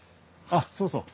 あっそうそう。